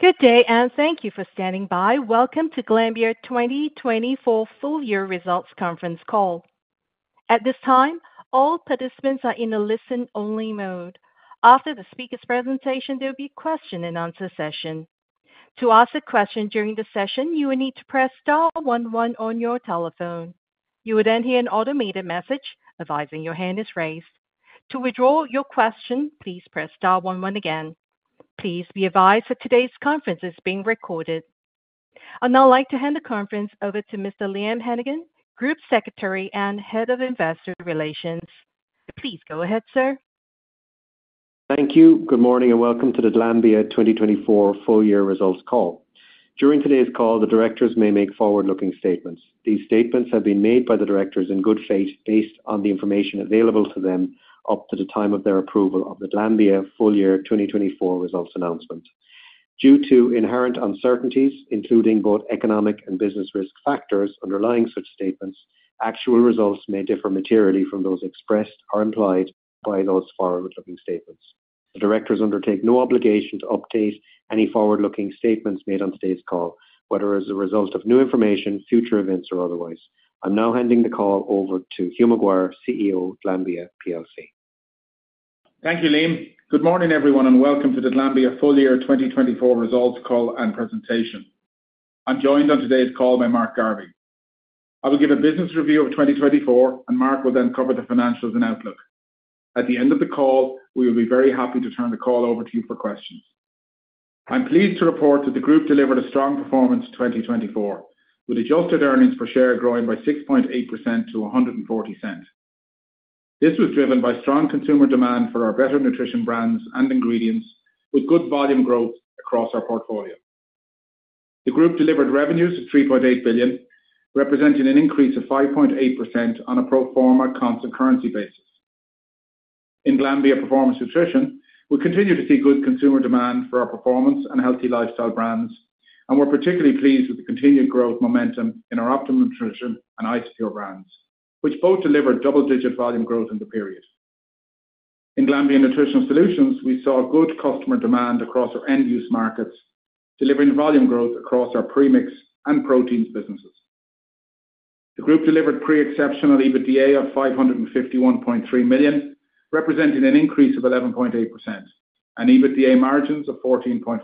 Good day and thank you for standing by. Welcome to Glanbia 2024 full year results conference call. At this time, all participants are in a listen-only mode. After the speaker's presentation, there will be a question-and-answer session. To ask a question during the session, you will need to press star one one on your telephone. You will then hear an automated message advising your hand is raised. To withdraw your question, please press star one one again. Please be advised that today's conference is being recorded. I'd now like to hand the conference over to Mr. Liam Hennigan, Group Secretary and Head of Investor Relations. Please go ahead, sir. Thank you. Good morning and welcome to the Glanbia 2024 full year results call. During today's call, the directors may make forward-looking statements. These statements have been made by the directors in good faith based on the information available to them up to the time of their approval of the Glanbia Full Year 2024 results announcement. Due to inherent uncertainties, including both economic and business risk factors underlying such statements, actual results may differ materially from those expressed or implied by those forward-looking statements. The directors undertake no obligation to update any forward-looking statements made on today's call, whether as a result of new information, future events, or otherwise. I'm now handing the call over to Hugh McGuire, CEO, Glanbia PLC. Thank you, Liam. Good morning, everyone, and welcome to the Glanbia Full Year 2024 results call and presentation. I'm joined on today's call by Mark Garvey. I will give a business review of 2024, and Mark will then cover the financials and outlook. At the end of the call, we will be very happy to turn the call over to you for questions. I'm pleased to report that the group delivered a strong performance in 2024, with adjusted earnings per share growing by 6.8% to 1.40. This was driven by strong consumer demand for our better nutrition brands and ingredients, with good volume growth across our portfolio. The group delivered revenues of 3.8 billion, representing an increase of 5.8% on a pro forma constant currency basis. In Glanbia Performance Nutrition, we continue to see good consumer demand for our performance and healthy lifestyle brands, and we're particularly pleased with the continued growth momentum in our Optimum Nutrition and Isopure brands, which both delivered double-digit volume growth in the period. In Glanbia Nutritional Solutions, we saw good customer demand across our end-use markets, delivering volume growth across our premix and proteins businesses. The group delivered pre-exceptional EBITDA of 551.3 million, representing an increase of 11.8%, and EBITDA margins of 14.4%,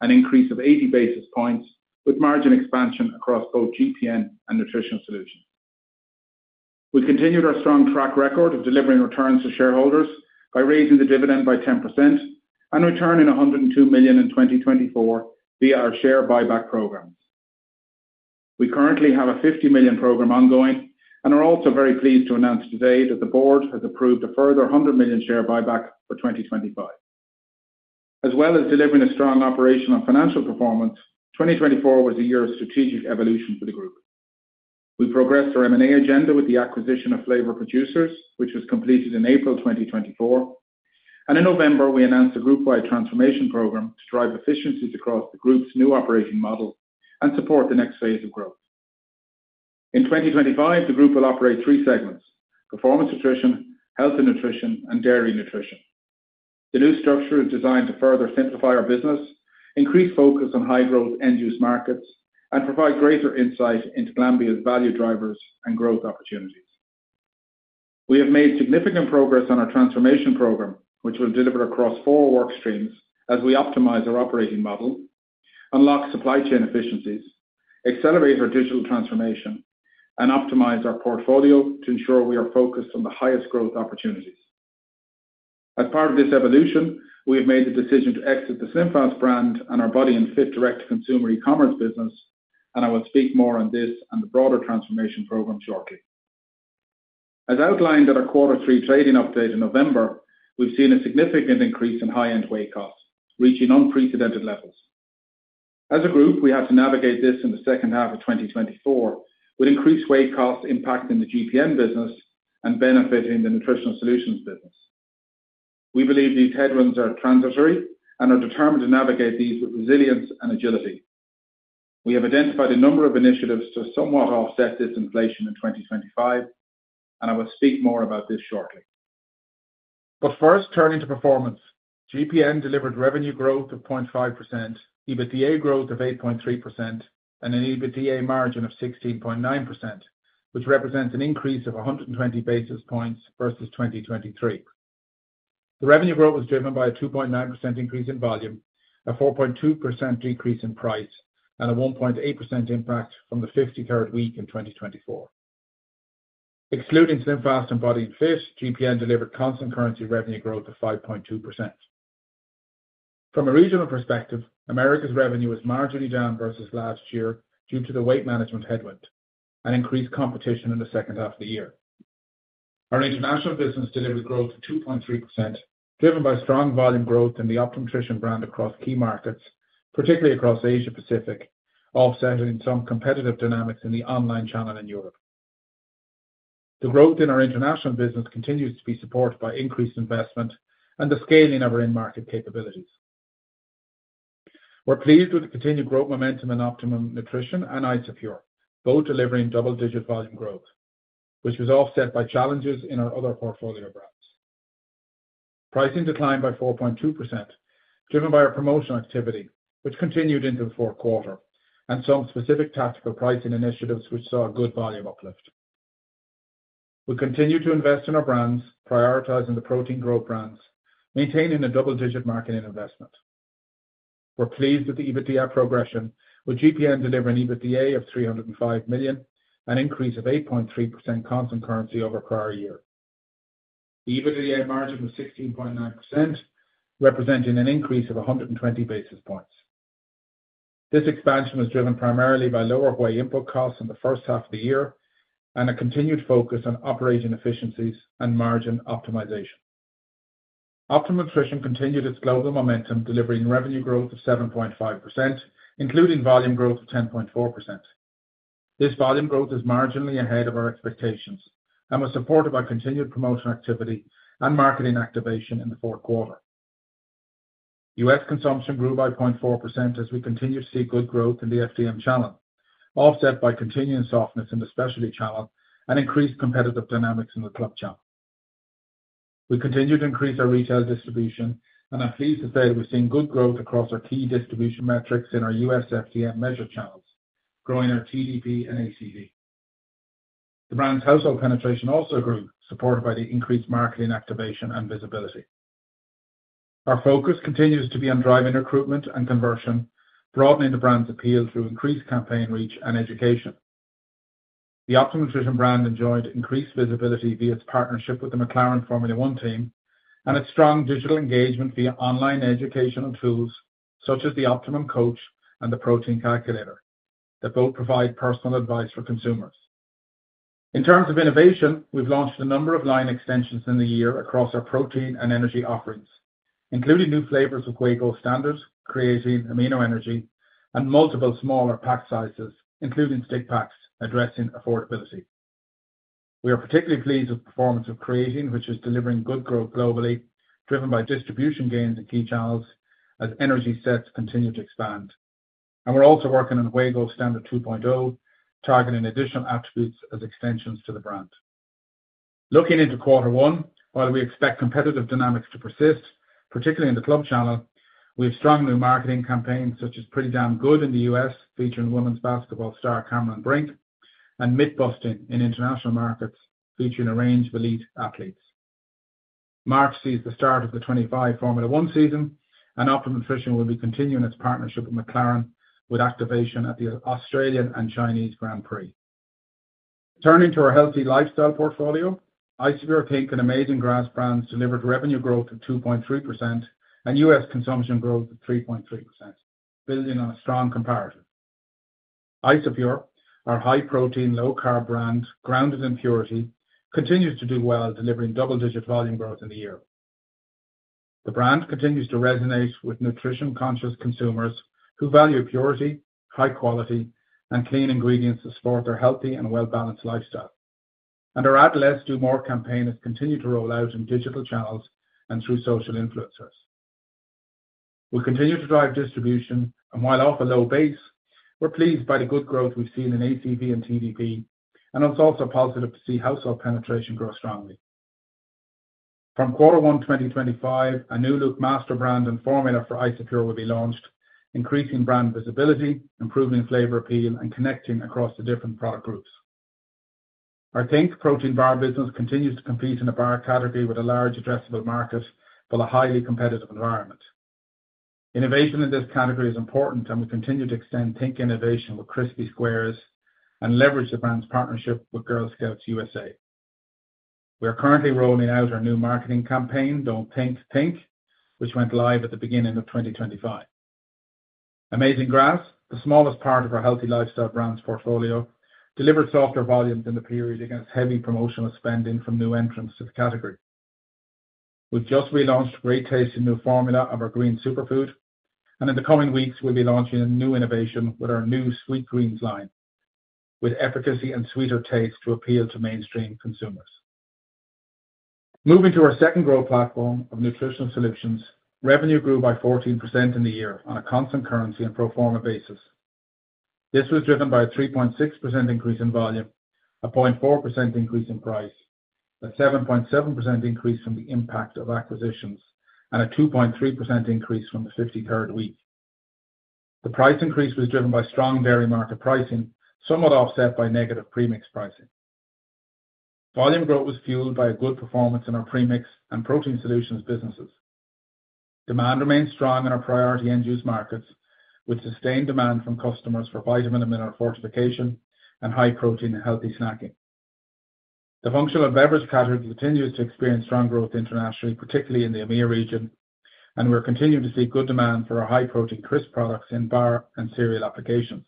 an increase of 80 basis points, with margin expansion across both GPN and Nutritional Solutions. We continued our strong track record of delivering returns to shareholders by raising the dividend by 10% and returning 102 million in 2024 via our share buyback programs. We currently have a 50 million program ongoing and are also very pleased to announce today that the board has approved a further 100 million share buyback for 2025. As well as delivering a strong operational and financial performance, 2024 was a year of strategic evolution for the group. We progressed our M&A agenda with the acquisition of Flavor Producers, which was completed in April 2024, and in November, we announced a group-wide transformation program to drive efficiencies across the group's new operating model and support the next phase of growth. In 2025, the group will operate three segments: Performance Nutrition, Health & Nutrition, and Dairy Nutrition. The new structure is designed to further simplify our business, increase focus on high-growth end-use markets, and provide greater insight into Glanbia's value drivers and growth opportunities. We have made significant progress on our transformation program, which will deliver across four work streams as we optimize our operating model, unlock supply chain efficiencies, accelerate our digital transformation, and optimize our portfolio to ensure we are focused on the highest growth opportunities. As part of this evolution, we have made the decision to exit the SlimFast brand and our Body & Fit direct-to-consumer e-commerce business, and I will speak more on this and the broader transformation program shortly. As outlined at our quarter three trading update in November, we've seen a significant increase in high-end whey costs, reaching unprecedented levels. As a group, we had to navigate this in the second half of 2024 with increased whey costs impacting the GPN business and benefiting the nutritional solutions business. We believe these headwinds are transitory and are determined to navigate these with resilience and agility. We have identified a number of initiatives to somewhat offset this inflation in 2025, and I will speak more about this shortly. But first, turning to performance, GPN delivered revenue growth of 0.5%, EBITDA growth of 8.3%, and an EBITDA margin of 16.9%, which represents an increase of 120 basis points versus 2023. The revenue growth was driven by a 2.9% increase in volume, a 4.2% decrease in price, and a 1.8% impact from the 53rd week in 2024. Excluding SlimFast and Body & Fit, GPN delivered constant currency revenue growth of 5.2%. From a regional perspective, Americas' revenue is marginally down versus last year due to the weight management headwind and increased competition in the second half of the year. Our international business delivered growth of 2.3%, driven by strong volume growth in the Optimum Nutrition brand across key markets, particularly across Asia-Pacific, offsetting some competitive dynamics in the online channel in Europe. The growth in our international business continues to be supported by increased investment and the scaling of our in-market capabilities. We're pleased with the continued growth momentum in Optimum Nutrition and Isopure, both delivering double-digit volume growth, which was offset by challenges in our other portfolio brands. Pricing declined by 4.2%, driven by our promotional activity, which continued into the fourth quarter, and some specific tactical pricing initiatives which saw a good volume uplift. We continue to invest in our brands, prioritizing the protein growth brands, maintaining a double-digit marketing investment. We're pleased with the EBITDA progression, with GPN delivering EBITDA of 305 million and an increase of 8.3% constant currency over the prior year. The EBITDA margin was 16.9%, representing an increase of 120 basis points. This expansion was driven primarily by lower whey input costs in the first half of the year and a continued focus on operating efficiencies and margin optimization. Optimum Nutrition continued its global momentum, delivering revenue growth of 7.5%, including volume growth of 10.4%. This volume growth is marginally ahead of our expectations and was supported by continued promotional activity and marketing activation in the fourth quarter. U.S. consumption grew by 0.4% as we continued to see good growth in the FDM channel, offset by continuing softness in the specialty channel and increased competitive dynamics in the club channel. We continue to increase our retail distribution, and I'm pleased to say that we've seen good growth across our key distribution metrics in our U.S. FDM measured channels, growing our TDP and ACV. The brand's household penetration also grew, supported by the increased marketing activation and visibility. Our focus continues to be on driving recruitment and conversion, broadening the brand's appeal through increased campaign reach and education. The Optimum Nutrition brand enjoyed increased visibility via its partnership with the McLaren Formula One team and its strong digital engagement via online educational tools such as the Optimum Coach and the Protein Calculator that both provide personal advice for consumers. In terms of innovation, we've launched a number of line extensions in the year across our protein and energy offerings, including new flavors of Gold Standard Whey, Creatine, Amino Energy, and multiple smaller pack sizes, including stick packs, addressing affordability. We are particularly pleased with the performance of Creatine, which is delivering good growth globally, driven by distribution gains in key channels as energy sets continue to expand. We're also working on Gold Standard Whey 2.0, targeting additional attributes as extensions to the brand. Looking into quarter one, while we expect competitive dynamics to persist, particularly in the club channel, we have strong new marketing campaigns such as Pretty Damn Good in the U.S., featuring women's basketball star Cameron Brink, and Mood Boosting in international markets, featuring a range of elite athletes. As we see the start of the 2025 Formula One season, and Optimum Nutrition will be continuing its partnership with McLaren, with activation at the Australian and Chinese Grand Prix. Turning to our healthy lifestyle portfolio, Isopure, think!, and Amazing Grass brands delivered revenue growth of 2.3% and U.S. consumption growth of 3.3%, building on a strong comparison. Isopure, our high-protein, low-carb brand grounded in purity, continues to do well, delivering double-digit volume growth in the year. The brand continues to resonate with nutrition-conscious consumers who value purity, high quality, and clean ingredients to support their healthy and well-balanced lifestyle. Our Add Less Do More campaign has continued to roll out in digital channels and through social influencers. We continue to drive distribution, and while off a low base, we're pleased by the good growth we've seen in ACV and TDP, and it's also positive to see household penetration grow strongly. From quarter one 2025, a new look master brand and formula for Isopure will be launched, increasing brand visibility, improving flavor appeal, and connecting across the different product groups. Our think! protein bar business continues to compete in the bar category with a large addressable market but a highly competitive environment. Innovation in this category is important, and we continue to extend think! innovation with Crisp Bars and leverage the brand's partnership with Girl Scouts of the USA. We are currently rolling out our new marketing campaign, Don't Think Pink, which went live at the beginning of 2025. Amazing Grass, the smallest part of our healthy lifestyle brand's portfolio, delivered softer volumes in the period against heavy promotional spending from new entrants to the category. We've just relaunched great taste in new formula of our Green Superfood, and in the coming weeks, we'll be launching a new innovation with our new Sweet Greens line, with efficacy and sweeter taste to appeal to mainstream consumers. Moving to our second growth platform of nutritional solutions, revenue grew by 14% in the year on a constant currency and pro forma basis. This was driven by a 3.6% increase in volume, a 0.4% increase in price, a 7.7% increase from the impact of acquisitions, and a 2.3% increase from the 53rd week. The price increase was driven by strong dairy market pricing, somewhat offset by negative premix pricing. Volume growth was fueled by a good performance in our premix and protein solutions businesses. Demand remained strong in our priority end-use markets, with sustained demand from customers for vitamin and mineral fortification and high-protein healthy snacking. The functional beverage category continues to experience strong growth internationally, particularly in the EMEA region, and we're continuing to see good demand for our high-protein crisp products in bar and cereal applications.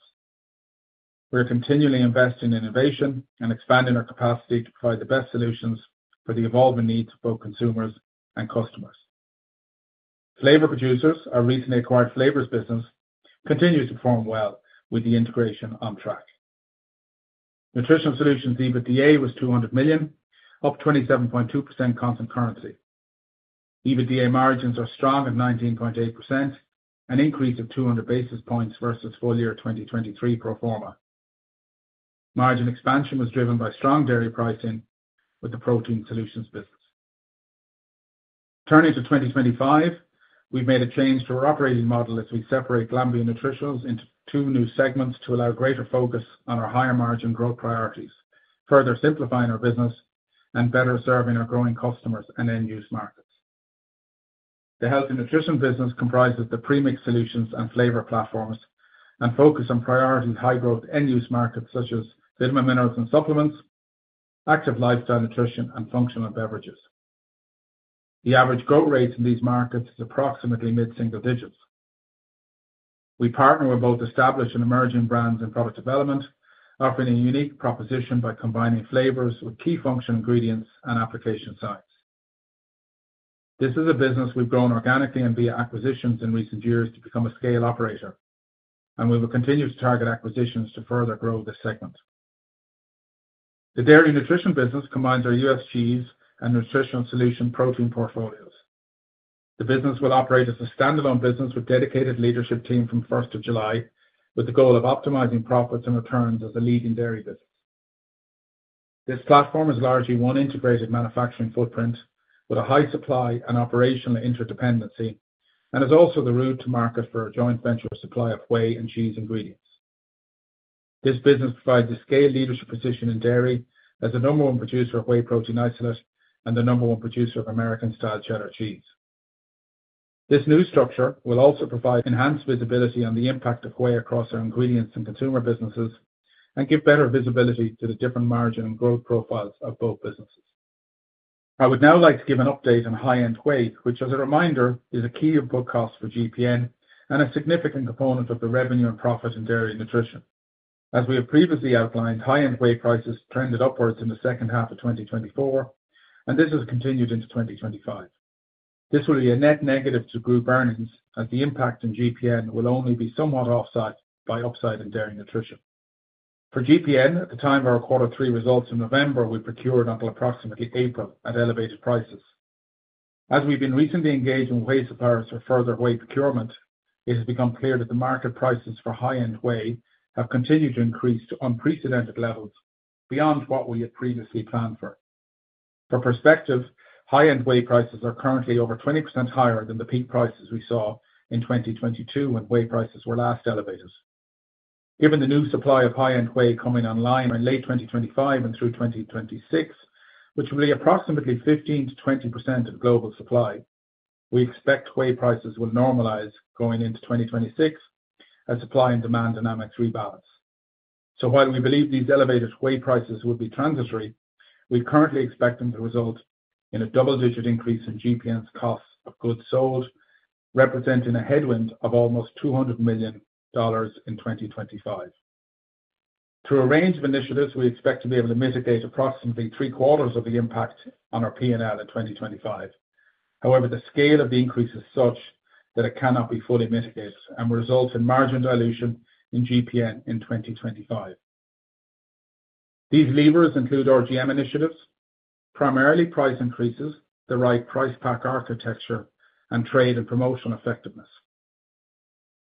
We're continually investing in innovation and expanding our capacity to provide the best solutions for the evolving needs of both consumers and customers. Flavor Producers, our recently acquired flavors business, continues to perform well with the integration on track. Nutritional Solutions EBITDA was 200 million, up 27.2% constant currency. EBITDA margins are strong at 19.8%, an increase of 200 basis points versus full year 2023 pro forma. Margin expansion was driven by strong dairy pricing with the Protein Solutions business. Turning to 2025, we've made a change to our operating model as we separate Glanbia Nutritionals into two new segments to allow greater focus on our higher margin growth priorities, further simplifying our business and better serving our growing customers and end-use markets. The healthy nutrition business comprises the premix solutions and flavor platforms and focuses on priority high-growth end-use markets such as vitamin minerals and supplements, active lifestyle nutrition, and functional beverages. The average growth rate in these markets is approximately mid-single digits. We partner with both established and emerging brands in product development, offering a unique proposition by combining flavors with key functional ingredients and application size. This is a business we've grown organically and via acquisitions in recent years to become a scale operator, and we will continue to target acquisitions to further grow this segment. The Dairy Nutrition business combines our U.S. cheese and Nutritional Solutions protein portfolios. The business will operate as a standalone business with a dedicated leadership team from 1st July, with the goal of optimizing profits and returns as a leading dairy business. This platform is largely one integrated manufacturing footprint with a high supply and operational interdependency and is also the route to market for a joint venture supply of whey and cheese ingredients. This business provides a scaled leadership position in dairy as the number one producer of whey protein isolate and the number one producer of American-style cheddar cheese. This new structure will also provide enhanced visibility on the impact of whey across our ingredients and consumer businesses and give better visibility to the different margin and growth profiles of both businesses. I would now like to give an update on high-end whey, which, as a reminder, is a key input cost for GPN and a significant component of the revenue and profit in Dairy Nutrition. As we have previously outlined, high-end whey prices trended upwards in the second half of 2024, and this has continued into 2025. This will be a net negative to group earnings as the impact in GPN will only be somewhat offset by upside in dairy nutrition. For GPN, at the time of our quarter three results in November, we procured until approximately April at elevated prices. As we've been recently engaged in whey suppliers for further whey procurement, it has become clear that the market prices for high-end whey have continued to increase to unprecedented levels beyond what we had previously planned for. For perspective, high-end whey prices are currently over 20% higher than the peak prices we saw in 2022 when whey prices were last elevated. Given the new supply of high-end whey coming online in late 2025 and through 2026, which will be approximately 15%-20% of the global supply, we expect whey prices will normalize going into 2026 as supply and demand dynamics rebalance. While we believe these elevated whey prices will be transitory, we currently expect them to result in a double-digit increase in GPN's costs of goods sold, representing a headwind of almost $200 million in 2025. Through a range of initiatives, we expect to be able to mitigate approximately three-quarters of the impact on our P&L in 2025. However, the scale of the increase is such that it cannot be fully mitigated and will result in margin dilution in GPN in 2025. These levers include RGM initiatives, primarily price increases, the right price pack architecture, and trade and promotional effectiveness.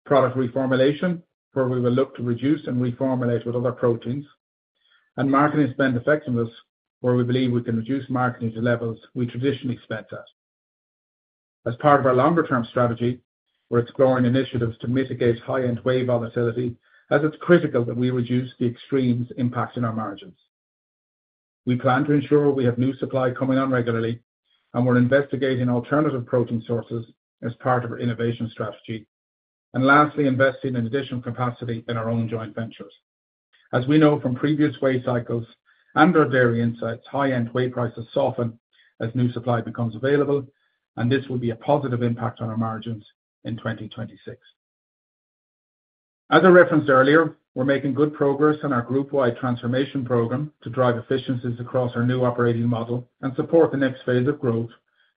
Product reformulation, where we will look to reduce and reformulate with other proteins, and marketing spend effectiveness, where we believe we can reduce marketing to levels we traditionally spent at. As part of our longer-term strategy, we're exploring initiatives to mitigate high-end whey volatility as it's critical that we reduce the extremes impacting our margins. We plan to ensure we have new supply coming on regularly, and we're investigating alternative protein sources as part of our innovation strategy. And lastly, investing in additional capacity in our own joint ventures. As we know from previous whey cycles and our dairy insights, high-end whey prices soften as new supply becomes available, and this will be a positive impact on our margins in 2026. As I referenced earlier, we're making good progress on our group-wide transformation program to drive efficiencies across our new operating model and support the next phase of growth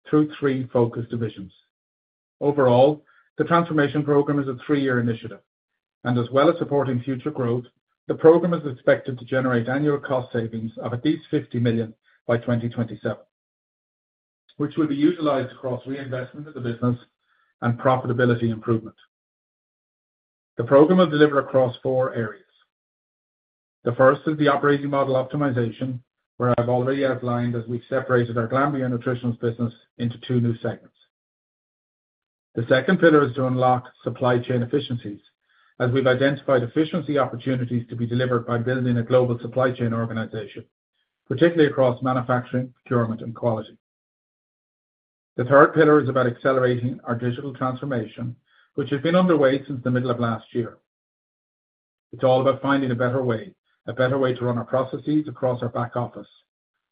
through three focus divisions. Overall, the transformation program is a three-year initiative, and as well as supporting future growth, the program is expected to generate annual cost savings of at least $50 million by 2027, which will be utilized across reinvestment of the business and profitability improvement. The program will deliver across four areas. The first is the operating model optimization, where I've already outlined as we've separated our Glanbia Nutritionals business into two new segments. The second pillar is to unlock supply chain efficiencies as we've identified efficiency opportunities to be delivered by building a global supply chain organization, particularly across manufacturing, procurement, and quality. The third pillar is about accelerating our digital transformation, which has been underway since the middle of last year. It's all about finding a better way, a better way to run our processes across our back office,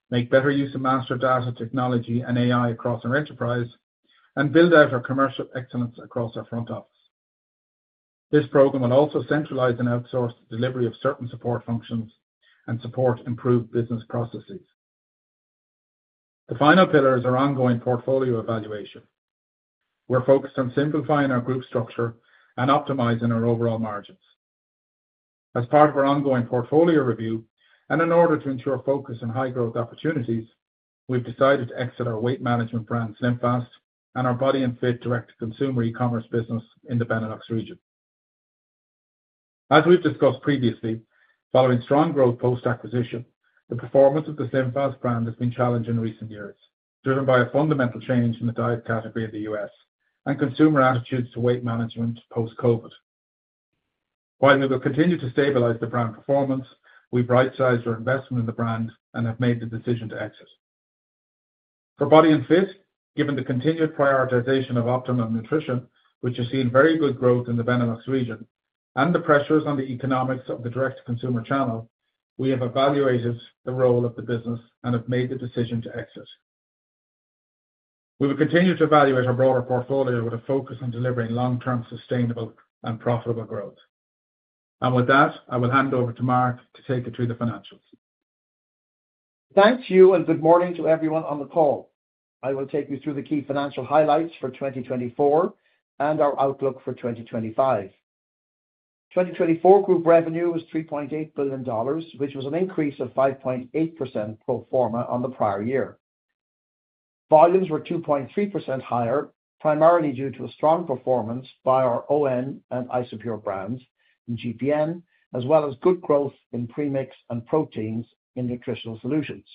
make better use of master data technology and AI across our enterprise, and build out our commercial excellence across our front office. This program will also centralize and outsource the delivery of certain support functions and support improved business processes. The final pillar is our ongoing portfolio evaluation. We're focused on simplifying our group structure and optimizing our overall margins. As part of our ongoing portfolio review and in order to ensure focus on high-growth opportunities, we've decided to exit our weight management brand, SlimFast, and our Body & Fit direct-to-consumer e-commerce business in the Benelux region. As we've discussed previously, following strong growth post-acquisition, the performance of the SlimFast brand has been challenged in recent years, driven by a fundamental change in the diet category in the U.S. and consumer attitudes to weight management post-COVID. While we will continue to stabilize the brand performance, we've right-sized our investment in the brand and have made the decision to exit. For Body & Fit, given the continued prioritization of Optimum Nutrition, which has seen very good growth in the Benelux region and the pressures on the economics of the direct-to-consumer channel, we have evaluated the role of the business and have made the decision to exit. We will continue to evaluate our broader portfolio with a focus on delivering long-term sustainable and profitable growth, and with that, I will hand over to Mark to take you through the financials. Thank you, and good morning to everyone on the call. I will take you through the key financial highlights for 2024 and our outlook for 2025. 2024 group revenue was $3.8 billion, which was an increase of 5.8% pro forma on the prior year. Volumes were 2.3% higher, primarily due to a strong performance by our ON and Isopure brands in GPN, as well as good growth in premix and proteins in Nutritional Solutions.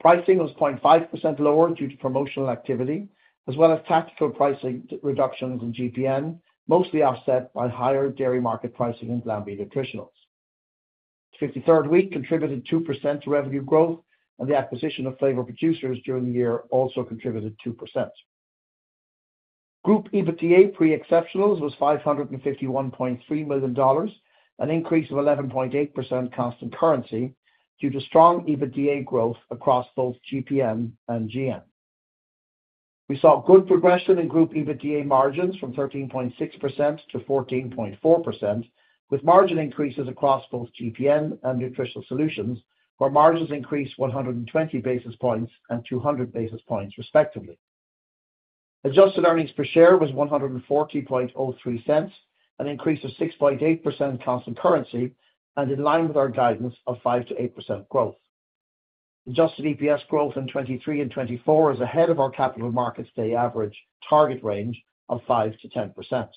Pricing was 0.5% lower due to promotional activity, as well as tactical pricing reductions in GPN, mostly offset by higher dairy market pricing in Glanbia Nutritionals. The 53rd week contributed 2% to revenue growth, and the acquisition of Flavor Producers during the year also contributed 2%. Group EBITDA pre-exceptionals was $551.3 million, an increase of 11.8% constant currency due to strong EBITDA growth across both GPN and GN. We saw good progression in group EBITDA margins from 13.6% to 14.4%, with margin increases across both GPN and nutritional solutions, where margins increased 120 basis points and 200 basis points respectively. Adjusted earnings per share was $140.03, an increase of 6.8% constant currency and in line with our guidance of 5% to 8% growth. Adjusted EPS growth in 2023 and 2024 is ahead of our Capital Markets Day average target range of 5%-10%.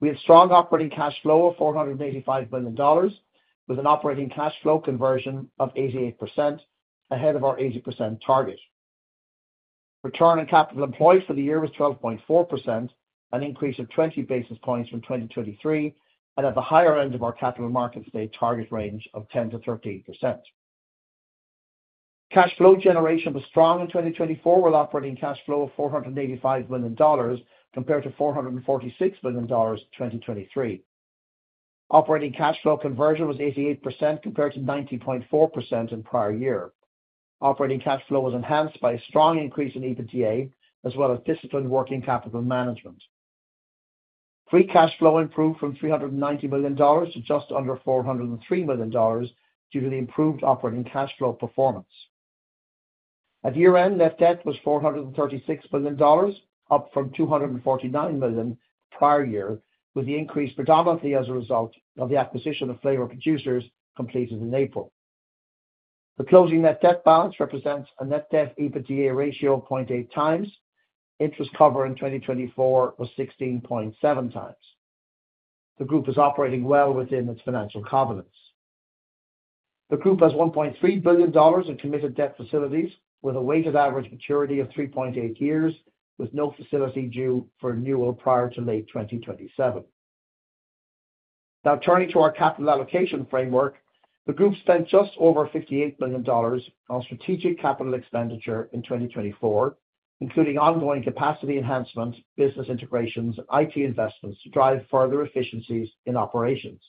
We have strong operating cash flow of $485 million, with an operating cash flow conversion of 88% ahead of our 80% target. Return on capital employed for the year was 12.4%, an increase of 20 basis points from 2023, and at the higher end of our Capital Markets Day target range of 10%-13%. Cash flow generation was strong in 2024, with operating cash flow of $485 million compared to $446 million in 2023. Operating cash flow conversion was 88% compared to 19.4% in prior year. Operating cash flow was enhanced by a strong increase in EBITDA, as well as disciplined working capital management. Free cash flow improved from $390 million to just under $403 million due to the improved operating cash flow performance. At year-end, net debt was $436 million, up from $249 million prior year, with the increase predominantly as a result of the acquisition of Flavor Producers completed in April. The closing net debt balance represents a net debt/EBITDA ratio of 0.8 times. Interest cover in 2024 was 16.7 times. The group is operating well within its financial covenants. The group has $1.3 billion in committed debt facilities, with a weighted average maturity of 3.8 years, with no facility due for renewal prior to late 2027. Now, turning to our capital allocation framework, the group spent just over $58 million on strategic capital expenditure in 2024, including ongoing capacity enhancement, business integrations, and IT investments to drive further efficiencies in operations.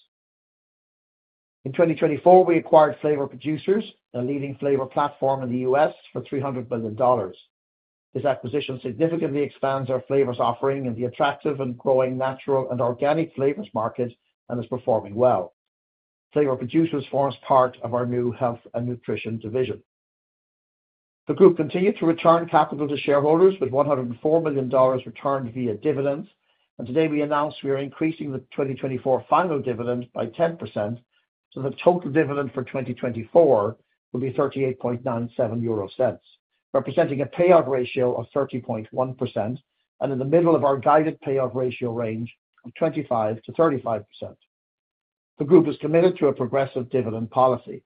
In 2024, we acquired Flavor Producers, a leading flavor platform in the U.S., for $300 million. This acquisition significantly expands our flavors offering in the attractive and growing natural and organic flavors market and is performing well. Flavor Producers forms part of our new health and nutrition division. The group continued to return capital to shareholders with $104 million returned via dividends, and today we announced we are increasing the 2024 final dividend by 10%, so the total dividend for 2024 will be 38.97 euro, representing a payout ratio of 30.1% and in the middle of our guided payout ratio range of 25%-35%. The group is committed to a progressive dividend policy.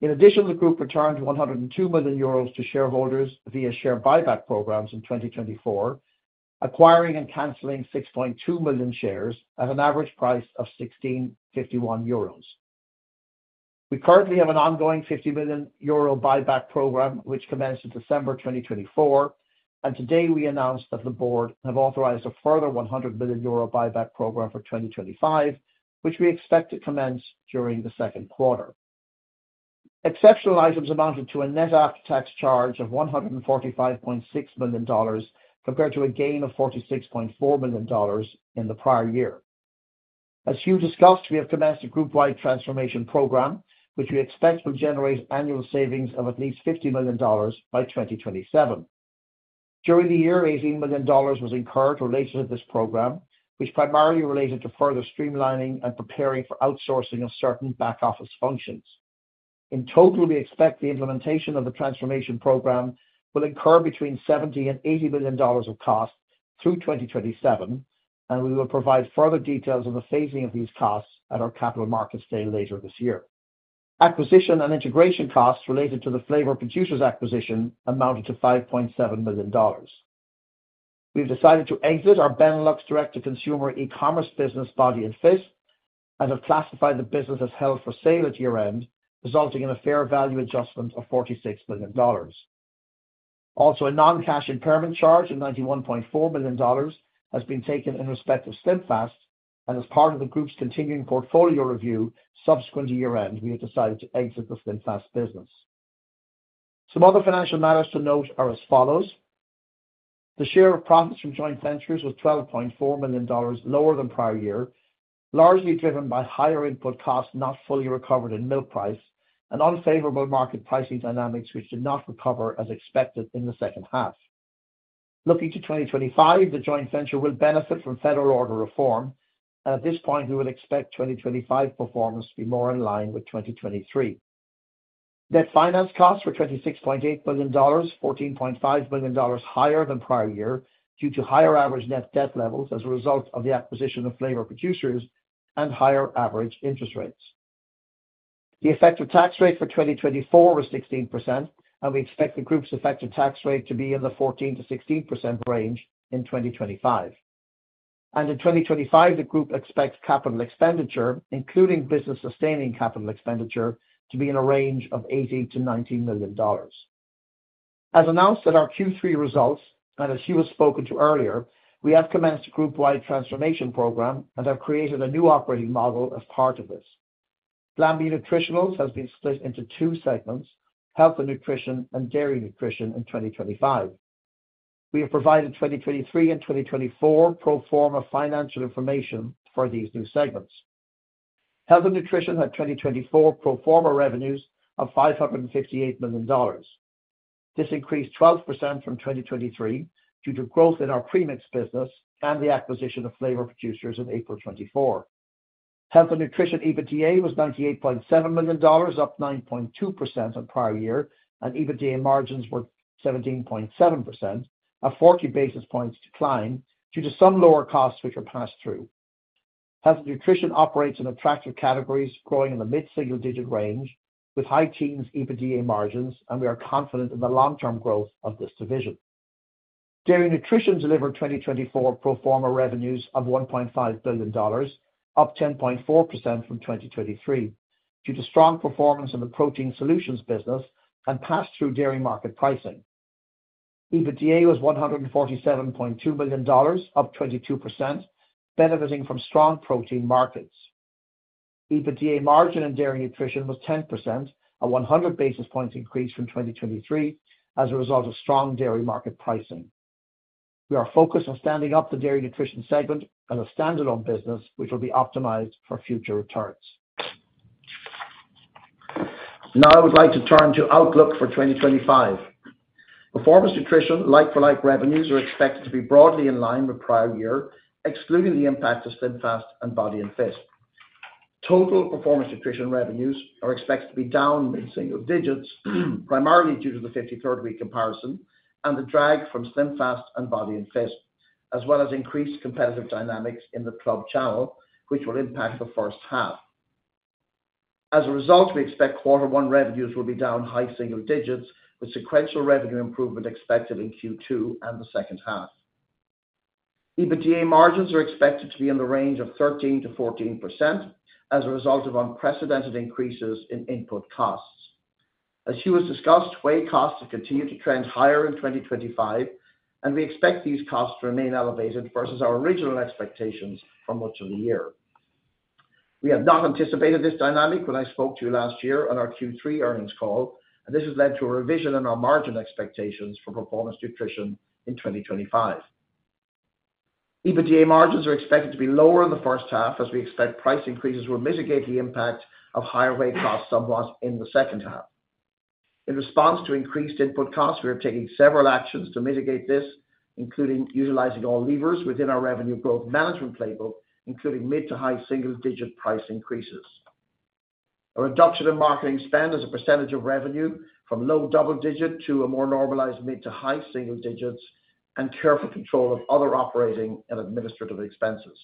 In addition, the group returned 102 million euros to shareholders via share buyback programs in 2024, acquiring and canceling 6.2 million shares at an average price of 16.51 euros. We currently have an ongoing 50 million euro buyback program, which commenced in December 2024, and today we announced that the board have authorized a further 100 million euro buyback program for 2025, which we expect to commence during the second quarter. Exceptional items amounted to a net after-tax charge of $145.6 million compared to a gain of $46.4 million in the prior year. As Hugh discussed, we have commenced a group-wide transformation program, which we expect will generate annual savings of at least $50 million by 2027. During the year, $18 million was incurred related to this program, which primarily related to further streamlining and preparing for outsourcing of certain back-office functions. In total, we expect the implementation of the transformation program will incur between $70 and $80 million of cost through 2027, and we will provide further details on the phasing of these costs at our Capital Markets Day later this year. Acquisition and integration costs related to the Flavor Producers acquisition amounted to $5.7 million. We've decided to exit our Benelux direct-to-consumer e-commerce business, Body & Fit, and have classified the business as held for sale at year-end, resulting in a fair value adjustment of $46 million. Also, a non-cash impairment charge of $91.4 million has been taken in respect of SlimFast, and as part of the group's continuing portfolio review subsequent to year-end, we have decided to exit the SlimFast business. Some other financial matters to note are as follows. The share of profits from joint ventures was $12.4 million lower than prior year, largely driven by higher input costs not fully recovered in milk price and unfavorable market pricing dynamics, which did not recover as expected in the second half. Looking to 2025, the joint venture will benefit from Federal Order Reform, and at this point, we would expect 2025 performance to be more in line with 2023. Net finance costs were $26.8 million, $14.5 million higher than prior year due to higher average net debt levels as a result of the acquisition of Flavor Producers and higher average interest rates. The effective tax rate for 2024 was 16%, and we expect the group's effective tax rate to be in the 14%-16% range in 2025. And in 2025, the group expects capital expenditure, including business-sustaining capital expenditure, to be in a range of $18 million-$19 million. As announced at our Q3 results, and as Hugh has spoken to earlier, we have commenced a group-wide transformation program and have created a new operating model as part of this. Glanbia Nutritionals has been split into two segments: health and nutrition and dairy nutrition in 2025. We have provided 2023 and 2024 pro forma financial information for these new segments. Health & Nutrition had 2024 pro forma revenues of $558 million. This increased 12% from 2023 due to growth in our premix business and the acquisition of Flavor Producers in April 2024. Health & Nutrition EBITDA was $98.7 million, up 9.2% on prior year, and EBITDA margins were 17.7%, a 40 basis points decline due to some lower costs which were passed through. Health & Nutrition operates in attractive categories, growing in the mid-single-digit range with high teens EBITDA margins, and we are confident in the long-term growth of this division. Dairy Nutrition delivered 2024 pro forma revenues of $1.5 billion, up 10.4% from 2023 due to strong performance in the Protein Solutions business and passed through dairy market pricing. EBITDA was $147.2 million, up 22%, benefiting from strong protein markets. EBITDA margin in Dairy Nutrition was 10%, a 100 basis points increase from 2023 as a result of strong dairy market pricing. We are focused on standing up the Dairy Nutrition segment as a standalone business, which will be optimized for future returns. Now, I would like to turn to outlook for 2025. Performance Nutrition, like-for-like revenues, are expected to be broadly in line with prior year, excluding the impact of SlimFast and Body & Fit. Total Performance Nutrition revenues are expected to be down in single digits, primarily due to the 53rd week comparison and the drag from SlimFast and Body & Fit, as well as increased competitive dynamics in the club channel, which will impact the first half. As a result, we expect quarter one revenues will be down high single digits, with sequential revenue improvement expected in Q2 and the second half. EBITDA margins are expected to be in the range of 13%-14% as a result of unprecedented increases in input costs. As Hugh has discussed, whey costs have continued to trend higher in 2025, and we expect these costs to remain elevated versus our original expectations for much of the year. We have not anticipated this dynamic when I spoke to you last year on our Q3 earnings call, and this has led to a revision in our margin expectations for Performance Nutrition in 2025. EBITDA margins are expected to be lower in the first half, as we expect price increases will mitigate the impact of higher whey costs somewhat in the second half. In response to increased input costs, we are taking several actions to mitigate this, including utilizing all levers within our revenue growth management playbook, including mid-to high-single-digit price increases. A reduction in marketing spend as a percentage of revenue from low double-digit to a more normalized mid- to high-single-digits, and careful control of other operating and administrative expenses.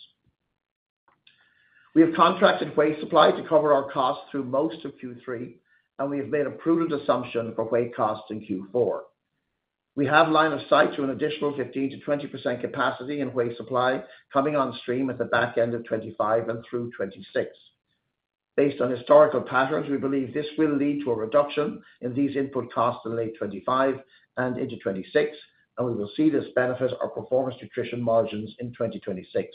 We have contracted whey supply to cover our costs through most of Q3, and we have made a prudent assumption for whey costs in Q4. We have line of sight to an additional 15%-20% capacity in whey supply coming on stream at the back end of 2025 and through 2026. Based on historical patterns, we believe this will lead to a reduction in these input costs in late 2025 and into 2026, and we will see this benefit our Performance Nutrition margins in 2026.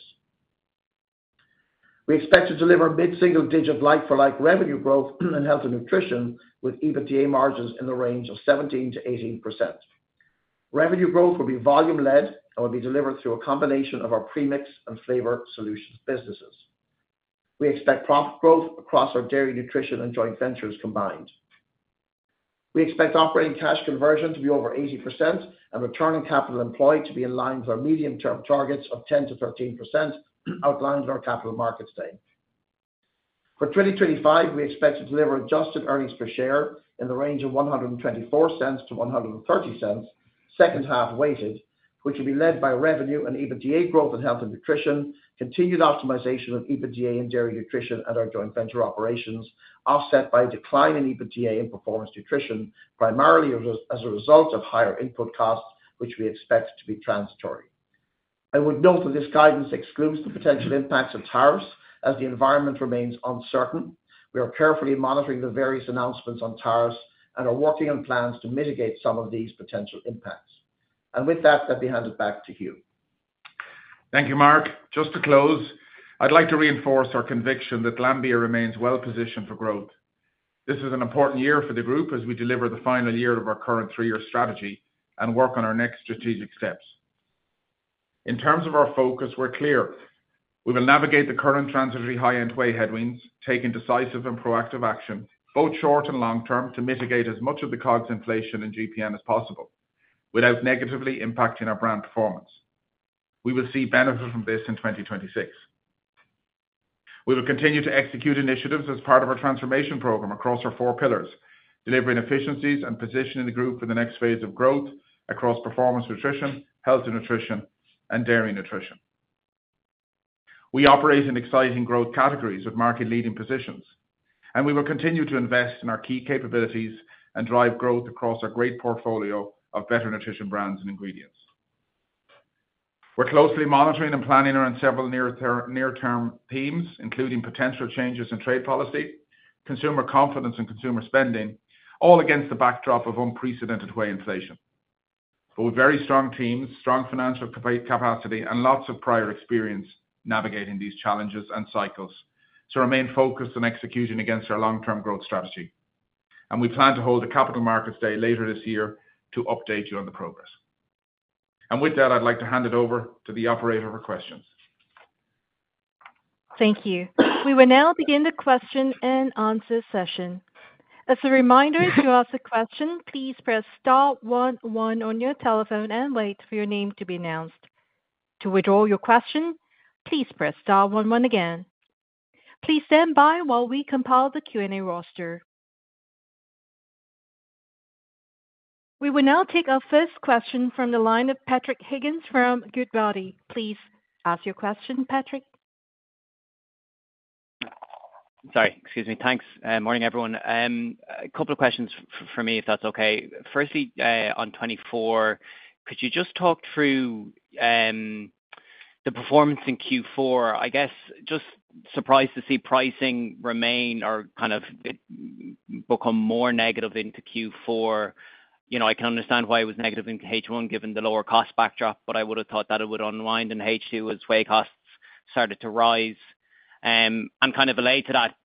We expect to deliver mid-single-digit like-for-like revenue growth in health and nutrition with EBITDA margins in the range of 17%-18%. Revenue growth will be volume-led and will be delivered through a combination of our premix and Flavor Solutions businesses. We expect profit growth across our Dairy Nutrition and joint ventures combined. We expect operating cash flow conversion to be over 80% and return on capital employed to be in line with our medium-term targets of 10%-13% outlined in our Capital Markets Day. For 2025, we expect to deliver adjusted earnings per share in the range of 1.24-1.30, second-half weighted, which will be led by revenue and EBITDA growth in Health and Nutrition, continued optimization of EBITDA in Dairy Nutrition and our joint venture operations, offset by a decline in EBITDA in Performance Nutrition, primarily as a result of higher input costs, which we expect to be transitory. I would note that this guidance excludes the potential impacts of tariffs as the environment remains uncertain. We are carefully monitoring the various announcements on tariffs and are working on plans to mitigate some of these potential impacts, and with that, let me hand it back to Hugh. Thank you, Mark. Just to close, I'd like to reinforce our conviction that Glanbia remains well-positioned for growth. This is an important year for the group as we deliver the final year of our current three-year strategy and work on our next strategic steps. In terms of our focus, we're clear. We will navigate the current transitory high-end whey headwinds, taking decisive and proactive action, both short and long term, to mitigate as much of the COGS inflation in GPN as possible without negatively impacting our brand performance. We will see benefit from this in 2026. We will continue to execute initiatives as part of our transformation program across our four pillars, delivering efficiencies and positioning the group for the next phase of growth across Performance Nutrition, Health & Nutrition, and Dairy Nutrition. We operate in exciting growth categories with market-leading positions, and we will continue to invest in our key capabilities and drive growth across our great portfolio of better nutrition brands and ingredients. We're closely monitoring and planning around several near-term themes, including potential changes in trade policy, consumer confidence, and consumer spending, all against the backdrop of unprecedented whey inflation. But with very strong teams, strong financial capacity, and lots of prior experience navigating these challenges and cycles, to remain focused on executing against our long-term growth strategy. And we plan to hold a Capital Markets Day later this year to update you on the progress. With that, I'd like to hand it over to the operator for questions. Thank you. We will now begin the question-and-answer session. As a reminder, to ask a question, please press star one on your telephone and wait for your name to be announced. To withdraw your question, please press star one one again. Please stand by while we compile the Q&A roster. We will now take our first question from the line of Patrick Higgins from Goodbody. Please ask your question, Patrick. Sorry. Excuse me. Thanks. Morning, everyone. A couple of questions for me, if that's okay. Firstly, on 2024, could you just talk through the performance in Q4? I guess just surprised to see pricing remain or kind of become more negative into Q4. I can understand why it was negative in H1 given the lower cost backdrop, but I would have thought that it would unwind in H2 as whey costs started to rise. I'm kind of reiterating that.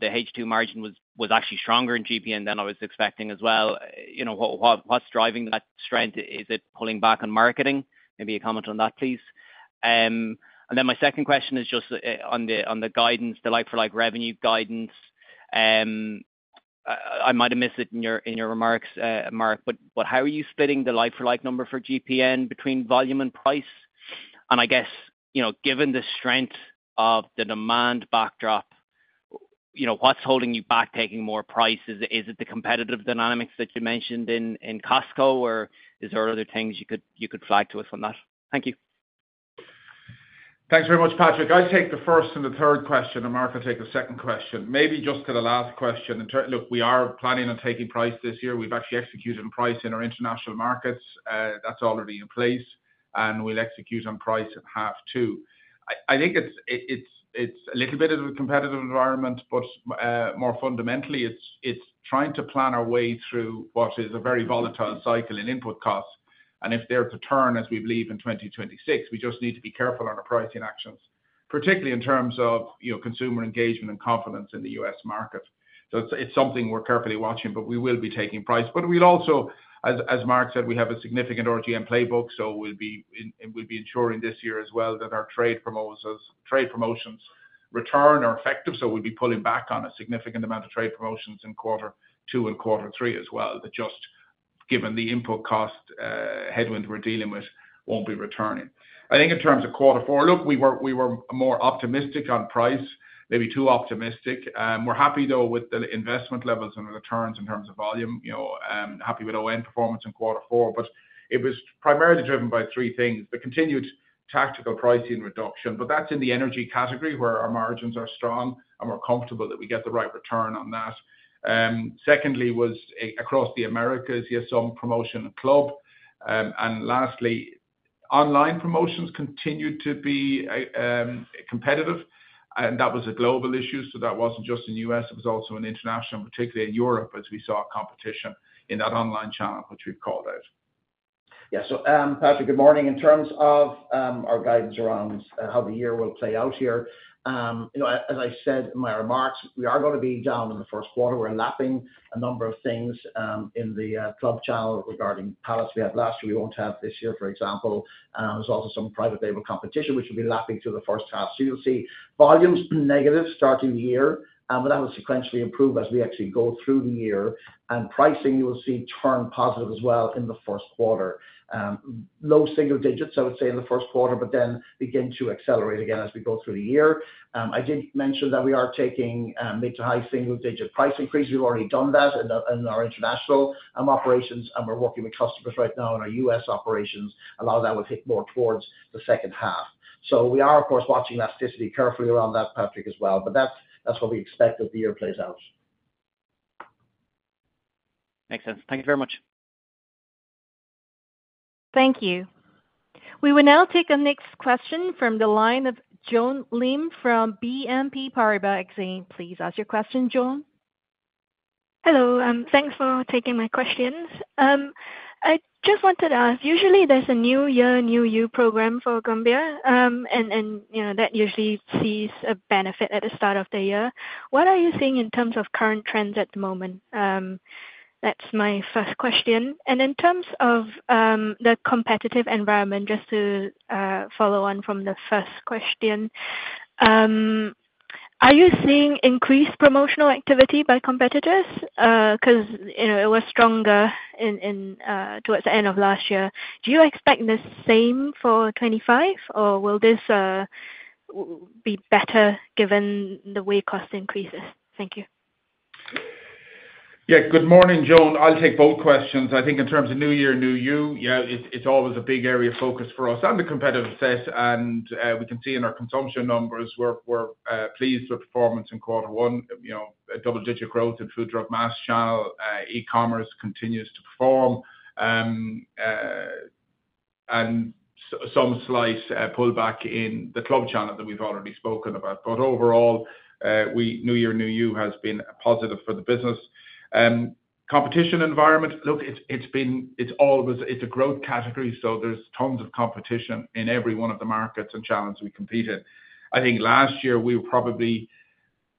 The H2 margin was actually stronger in GPN than I was expecting as well. What's driving that strength? Is it pulling back on marketing? Maybe a comment on that, please. And then my second question is just on the guidance, the like-for-like revenue guidance. I might have missed it in your remarks, Mark, but how are you splitting the like-for-like number for GPN between volume and price? And I guess, given the strength of the demand backdrop, what's holding you back taking more prices? Is it the competitive dynamics that you mentioned in Costco, or is there other things you could flag to us on that? Thank you. Thanks very much, Patrick. I take the first and the third question, and Mark will take the second question. Maybe just to the last question. Look, we are planning on taking price this year. We've actually executed on price in our international markets. That's already in place, and we'll execute on price in H1 too. I think it's a little bit of a competitive environment, but more fundamentally, it's trying to plan our way through what is a very volatile cycle in input costs, and if there's a turn, as we believe in 2026, we just need to be careful on our pricing actions, particularly in terms of consumer engagement and confidence in the US market. So it's something we're carefully watching, but we will be taking price. But we'll also, as Mark said, we have a significant RGM playbook, so we'll be ensuring this year as well that our trade promotions return are effective. So we'll be pulling back on a significant amount of trade promotions in quarter two and quarter three as well, that just given the input cost headwind we're dealing with won't be returning. I think in terms of quarter four, look, we were more optimistic on price, maybe too optimistic. We're happy, though, with the investment levels and returns in terms of volume, happy with ON performance in quarter four, but it was primarily driven by three things, the continued tactical pricing reduction, but that's in the energy category where our margins are strong, and we're comfortable that we get the right return on that. Secondly, was across the Americas, you have some promotion in club. And lastly, online promotions continued to be competitive, and that was a global issue, so that wasn't just in the U.S., it was also in international, particularly in Europe, as we saw competition in that online channel, which we've called out. Yeah. So, Patrick, good morning. In terms of our guidance around how the year will play out here, as I said in my remarks, we are going to be down in the first quarter. We're lapping a number of things in the club channel regarding pallets we had last year. We won't have this year, for example. There's also some private label competition, which will be lapping to the first half. So you'll see volumes negative starting the year, but that will sequentially improve as we actually go through the year. And pricing, you will see turn positive as well in the first quarter. Low single digits, I would say, in the first quarter, but then begin to accelerate again as we go through the year. I did mention that we are taking mid- to high single-digit price increases. We've already done that in our international operations, and we're working with customers right now in our U.S. operations. A lot of that will hit more towards the second half. So we are, of course, watching elasticity carefully around that, Patrick, as well, but that's what we expect as the year plays out. Makes sense. Thank you very much. Thank you. We will now take a next question from the line of Joan Lim from BNP Paribas. Please ask your question, Joan. Hello. Thanks for taking my questions. I just wanted to ask, usually there's a new year, new you program for Glanbia, and that usually sees a benefit at the start of the year. What are you seeing in terms of current trends at the moment? That's my first question. And in terms of the competitive environment, just to follow on from the first question, are you seeing increased promotional activity by competitors? Because it was stronger towards the end of last year. Do you expect the same for 2025, or will this be better given the way cost increases? Thank you. Yeah. Good morning, Joan. I'll take both questions. I think in terms of new year, new you, yeah, it's always a big area of focus for us and the competitive set, and we can see in our consumption numbers, we're pleased with performance in quarter one, double-digit growth in food, drug, mass channel. E-commerce continues to perform, and some slight pullback in the club channel that we've already spoken about. But overall, new year, new you has been positive for the business. Competitive environment, look, it's a growth category, so there's tons of competition in every one of the markets and channels we compete. I think last year we were probably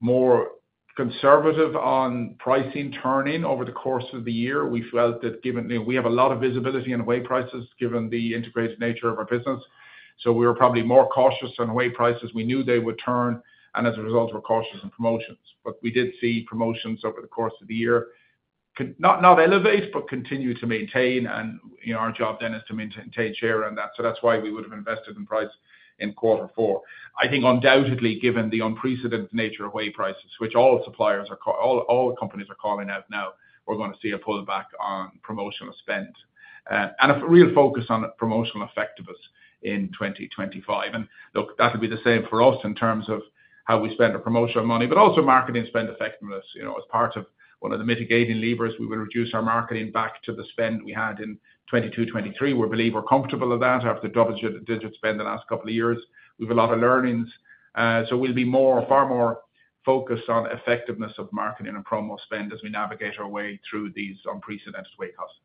more conservative on pricing turning over the course of the year. We felt that we have a lot of visibility in whey prices given the integrated nature of our business. So we were probably more cautious on whey prices. We knew they would turn, and as a result, we're cautious in promotions. But we did see promotions over the course of the year not elevate, but continue to maintain, and our job then is to maintain share on that. So that's why we would have invested in price in quarter four. I think undoubtedly, given the unprecedented nature of whey prices, which all suppliers, all companies are calling out now, we're going to see a pullback on promotional spend and a real focus on promotional effectiveness in 2025. And look, that'll be the same for us in terms of how we spend our promotional money, but also marketing spend effectiveness. As part of one of the mitigating levers, we will reduce our marketing back to the spend we had in 2022, 2023. We believe we're comfortable with that after double-digit spend the last couple of years. We have a lot of learnings. So we'll be far more focused on effectiveness of marketing and promo spend as we navigate our way through these unprecedented whey costs.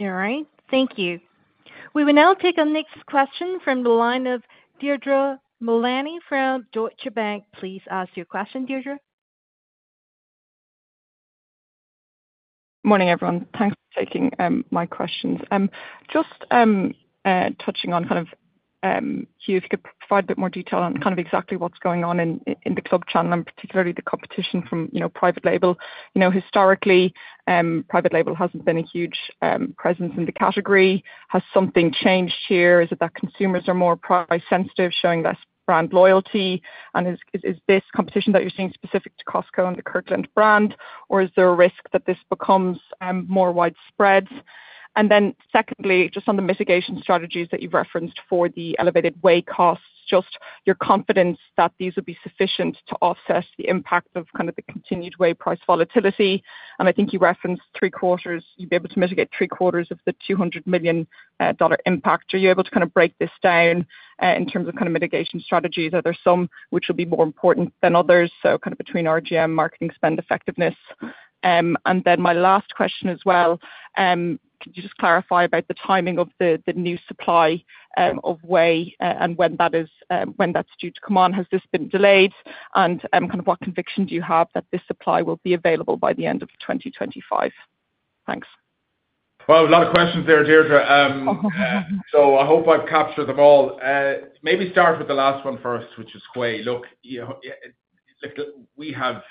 All right. Thank you. We will now take our next question from the line of Deirdre Mullaney from Deutsche Bank. Please ask your question, Deirdre. Morning, everyone. Thanks for taking my questions. Just touching on kind of Hugh, if you could provide a bit more detail on kind of exactly what's going on in the club channel and particularly the competition from private label. Historically, private label hasn't been a huge presence in the category. Has something changed here? Is it that consumers are more price-sensitive, showing less brand loyalty? And is this competition that you're seeing specific to Costco and the Kirkland brand, or is there a risk that this becomes more widespread? And then secondly, just on the mitigation strategies that you've referenced for the elevated whey costs, just your confidence that these will be sufficient to offset the impact of kind of the continued whey price volatility. And I think you referenced three quarters. You'd be able to mitigate three quarters of the $200 million impact. Are you able to kind of break this down in terms of kind of mitigation strategies? Are there some which will be more important than others? So kind of between RGM, marketing spend effectiveness. And then my last question as well, could you just clarify about the timing of the new supply of whey and when that's due to come on? Has this been delayed? And kind of what conviction do you have that this supply will be available by the end of 2025? Thanks. Well, a lot of questions there, Deirdre. So I hope I've captured them all. Maybe start with the last one first, which is whey. Look, we have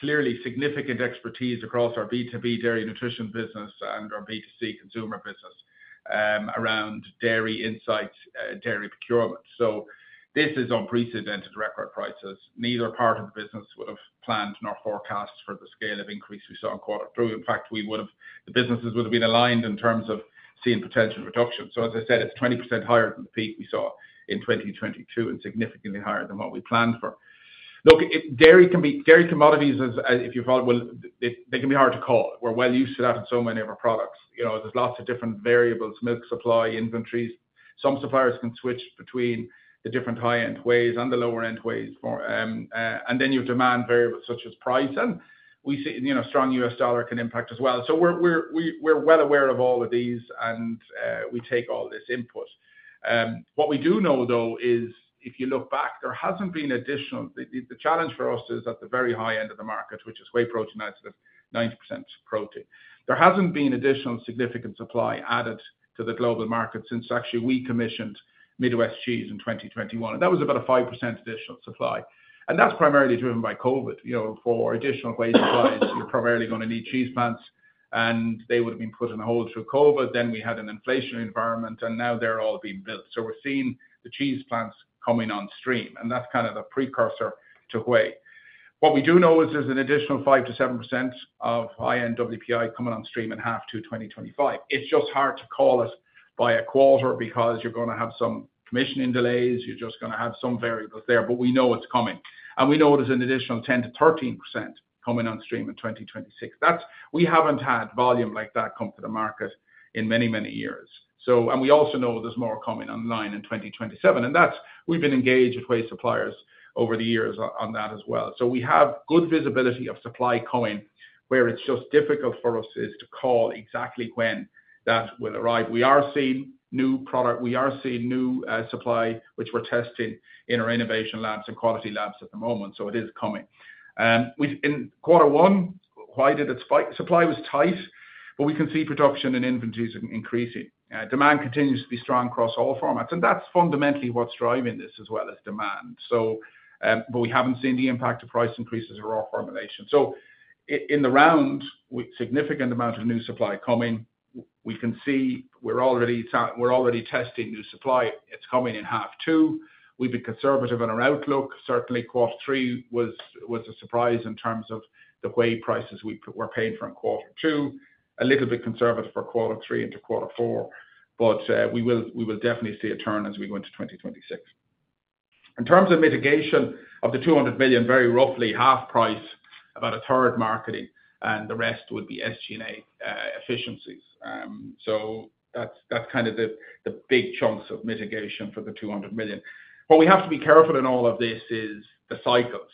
clearly significant expertise across our B2B dairy nutrition business and our B2C consumer business around dairy insights, dairy procurement. So this is unprecedented record prices. Neither part of the business would have planned nor forecast for the scale of increase we saw in quarter two. In fact, the businesses would have been aligned in terms of seeing potential reduction. So as I said, it's 20% higher than the peak we saw in 2022 and significantly higher than what we planned for. Look, dairy commodities, if you follow, they can be hard to call. We're well used to that in so many of our products. There's lots of different variables, milk supply, inventories. Some suppliers can switch between the different high-end whey and the lower-end whey. And then you have demand variables such as price, and we see strong U.S. dollar can impact as well. So we're well aware of all of these, and we take all this input. What we do know, though, is if you look back, there hasn't been additional. The challenge for us is at the very high end of the market, which is whey protein isolate, 90% protein. There hasn't been additional significant supply added to the global market since actually we commissioned Midwest Cheese in 2021. And that was about a 5% additional supply. And that's primarily driven by COVID. For additional whey supplies, you're primarily going to need cheese plants, and they would have been put on hold through COVID. Then we had an inflationary environment, and now they're all being built. So we're seeing the cheese plants coming on stream, and that's kind of the precursor to whey. What we do know is there's an additional 5%-7% of high-end WPI coming on stream in H2 2025. It's just hard to call it by a quarter because you're going to have some commissioning delays. You're just going to have some variables there, but we know it's coming. And we know there's an additional 10%-13% coming on stream in 2026. We haven't had volume like that come to the market in many, many years. And we also know there's more coming online in 2027. And we've been engaged with whey suppliers over the years on that as well. So we have good visibility of supply coming where it's just difficult for us to call exactly when that will arrive. We are seeing new product. We are seeing new supply, which we're testing in our innovation labs and quality labs at the moment. So it is coming. In quarter one, whey, supply was tight, but we can see production and inventories increasing. Demand continues to be strong across all formats, and that's fundamentally what's driving this as well as demand, but we haven't seen the impact of price increases in raw formulation, so in the round, significant amount of new supply coming. We can see we're already testing new supply. It's coming in half two. We've been conservative on our outlook. Certainly, quarter three was a surprise in terms of the whey prices we were paying for in quarter two. A little bit conservative for quarter three into quarter four, but we will definitely see a turn as we go into 2026. In terms of mitigation of the 200 million, very roughly half price, about a third marketing, and the rest would be SG&A efficiencies, so that's kind of the big chunks of mitigation for the 200 million. What we have to be careful in all of this is the cycles.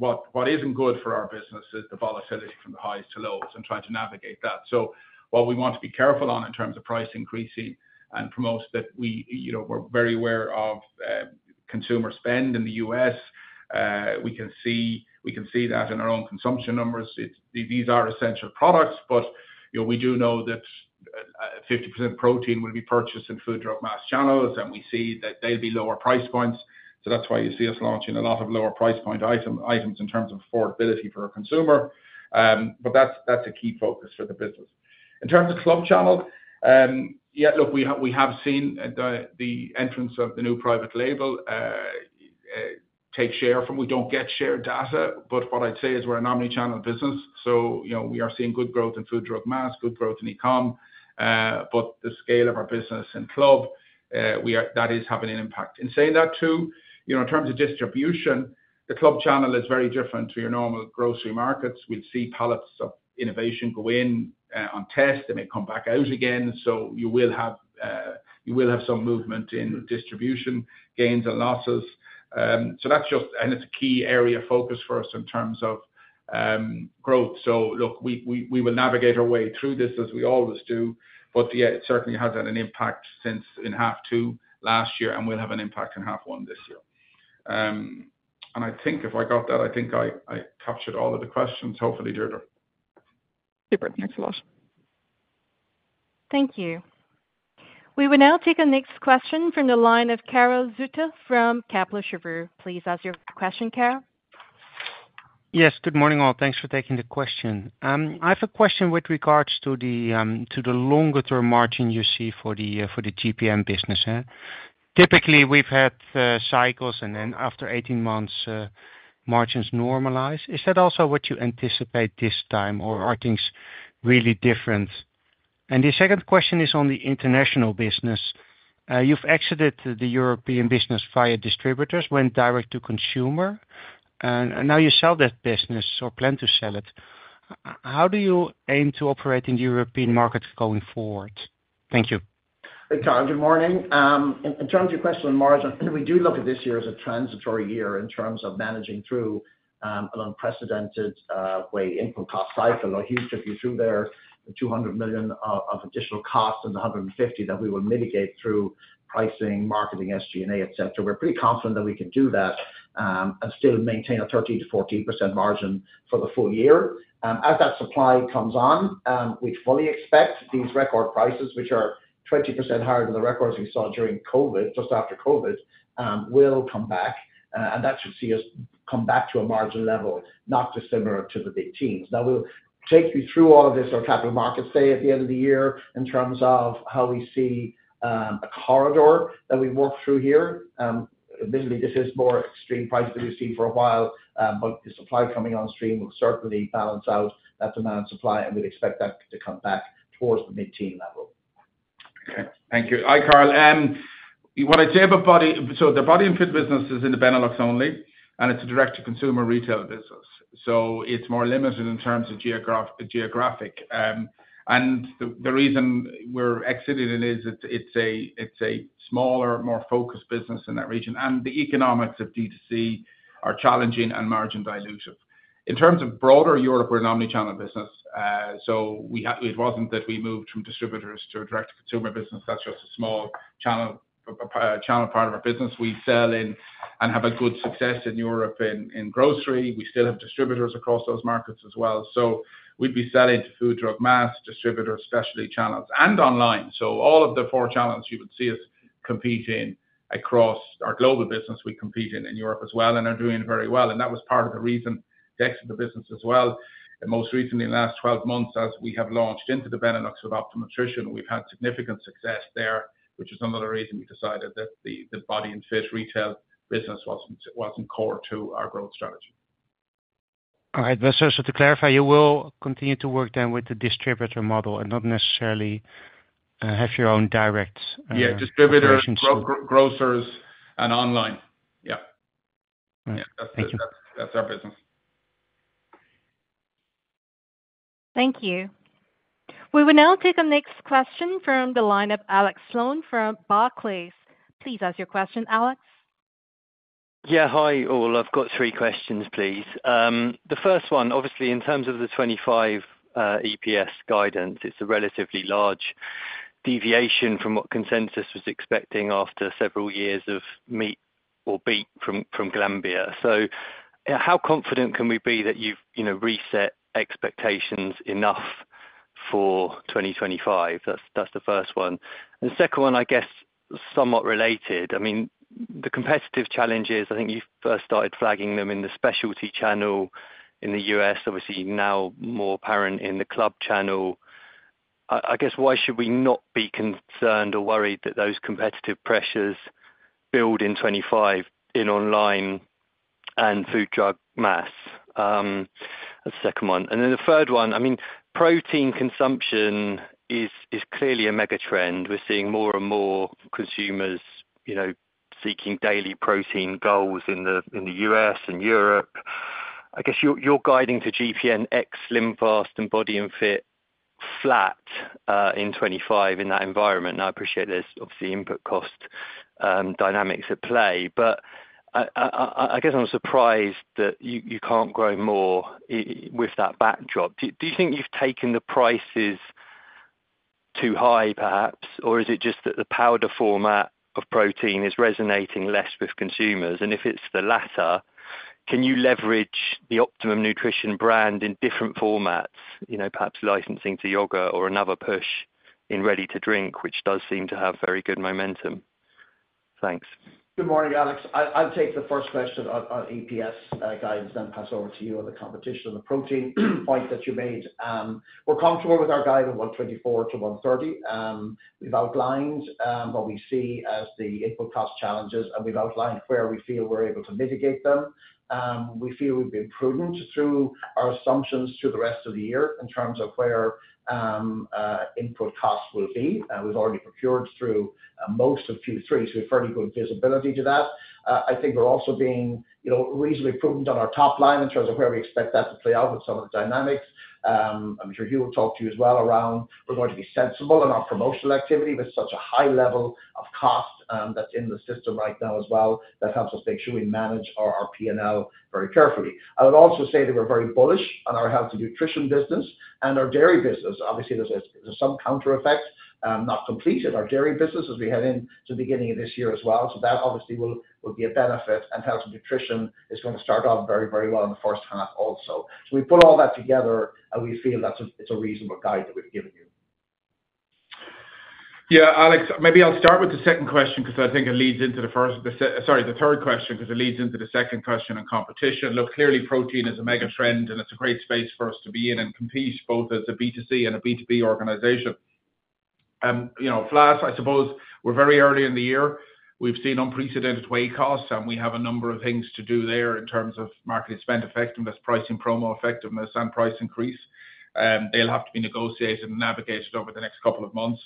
What isn't good for our business is the volatility from the highs to lows and trying to navigate that. So what we want to be careful on in terms of price increasing and promote that we're very aware of consumer spend in the U.S. We can see that in our own consumption numbers. These are essential products, but we do know that 50% protein will be purchased in food, drug, mass channels, and we see that they'll be lower price points. So that's why you see us launching a lot of lower price point items in terms of affordability for a consumer. But that's a key focus for the business. In terms of club channel, yeah, look, we have seen the entrance of the new private label take share from. We don't get share data, but what I'd say is we're an omnichannel business. So we are seeing good growth in food, drug, mass, good growth in e-comm, but the scale of our business and club, that is having an impact. In saying that too, in terms of distribution, the club channel is very different to your normal grocery markets. We'd see pallets of innovation go in on test. They may come back out again. So you will have some movement in distribution gains and losses. So that's just, and it's a key area of focus for us in terms of growth. So look, we will navigate our way through this as we always do, but yeah, it certainly has had an impact since in half two last year, and we'll have an impact in half one this year. And I think if I got that, I think I captured all of the questions. Hopefully, Deirdre. Super. Thanks a lot. Thank you. We will now take our next question from the line of Karel Zoete from Kepler Cheuvreux. Please ask your question, Karel. Yes. Good morning, all. Thanks for taking the question. I have a question with regards to the longer-term margin you see for the GPN business. Typically, we've had cycles, and then after 18 months, margins normalize. Is that also what you anticipate this time, or are things really different? And the second question is on the international business. You've exited the European business via distributors, went direct to consumer, and now you sell that business or plan to sell it. How do you aim to operate in the European market going forward? Thank you. Hi, Karel. Good morning. In terms of your question on margin, we do look at this year as a transitory year in terms of managing through an unprecedented whey input cost cycle. A huge curve you threw there, 200 million of additional costs and 150 million that we will mitigate through pricing, marketing, SG&A, etc. We're pretty confident that we can do that and still maintain a 13%-14% margin for the full year. As that supply comes on, we fully expect these record prices, which are 20% higher than the records we saw during COVID, just after COVID, will come back. That should see us come back to a margin level not dissimilar to the big teams. Now, we'll take you through all of this, our Capital Markets Day at the end of the year in terms of how we see a corridor that we've worked through here. Admittedly, this is more extreme prices that we've seen for a while, but the supply coming on stream will certainly balance out that demand supply, and we'd expect that to come back towards the mid-teens level. Okay. Thank you. Hi, Karel. You want to tell everybody so the Body & Fit business is in the Benelux only, and it's a direct-to-consumer retail business. So it's more limited in terms of geographic. And the reason we're exiting it is it's a smaller, more focused business in that region. And the economics of D2C are challenging and margin dilutive. In terms of broader Europe, we're an omnichannel business. So it wasn't that we moved from distributors to a direct-to-consumer business. That's just a small channel part of our business. We sell in and have a good success in Europe in grocery. We still have distributors across those markets as well. We'd be selling to food, drug, mass distributors, specialty channels, and online. All of the four channels you would see us competing across our global business, we compete in Europe as well and are doing very well. That was part of the reason to exit the business as well. Most recently, in the last 12 months, as we have launched into the Benelux with Optimum Nutrition, we've had significant success there, which is another reason we decided that the Body & Fit retail business wasn't core to our growth strategy. All right. To clarify, you will continue to work then with the distributor model and not necessarily have your own direct relationship. Yeah. Distributors, grocers, and online. Yeah. That's our business. Thank you. We will now take our next question from the line of Alex Sloane from Barclays. Please ask your question, Alex. Yeah. Hi, all. I've got three questions, please. The first one, obviously, in terms of the 2025 EPS guidance, it's a relatively large deviation from what consensus was expecting after several years of meet or beat from Glanbia. So how confident can we be that you've reset expectations enough for 2025? That's the first one. And the second one, I guess, somewhat related. I mean, the competitive challenges, I think you first started flagging them in the specialty channel in the US, obviously now more apparent in the club channel. I guess, why should we not be concerned or worried that those competitive pressures build in 2025 in online and food, drug, mass? That's the second one. And then the third one, I mean, protein consumption is clearly a megatrend. We're seeing more and more consumers seeking daily protein goals in the US and Europe. I guess you're guiding to GPN ex SlimFast and Body & Fit flat in 2025 in that environment. And I appreciate there's obviously input cost dynamics at play. But I guess I'm surprised that you can't grow more with that backdrop. Do you think you've taken the prices too high, perhaps? Or is it just that the powder format of protein is resonating less with consumers? And if it's the latter, can you leverage the Optimum Nutrition brand in different formats, perhaps licensing to yogurt or another push in ready-to-drink, which does seem to have very good momentum? Thanks. Good morning, Alex. I'll take the first question on EPS guidance, then pass over to you on the competition and the protein point that you made. We're comfortable with our guide on 1.24-1.30. We've outlined what we see as the input cost challenges, and we've outlined where we feel we're able to mitigate them. We feel we've been prudent through our assumptions through the rest of the year in terms of where input costs will be. We've already procured through most of Q3, so we've fairly good visibility to that. I think we're also being reasonably prudent on our top line in terms of where we expect that to play out with some of the dynamics. I'm sure Hugh will talk to you as well around we're going to be sensible in our promotional activity with such a high level of cost that's in the system right now as well. That helps us make sure we manage our P&L very carefully. I would also say that we're very bullish on our healthy nutrition business and our dairy business. Obviously, there's some counter effects, not complete in our dairy business as we head into the beginning of this year as well. So that obviously will be a benefit, and healthy nutrition is going to start off very, very well in the first half also. So we put all that together, and we feel that it's a reasonable guide that we've given you. Yeah, Alex, maybe I'll start with the second question because I think it leads into the first, sorry, the third question because it leads into the second question on competition. Look, clearly, protein is a megatrend, and it's a great space for us to be in and compete both as a B2C and a B2B organization. Alas, I suppose, we're very early in the year. We've seen unprecedented whey costs, and we have a number of things to do there in terms of marketing spend effectiveness, pricing promo effectiveness, and price increase. They'll have to be negotiated and navigated over the next couple of months.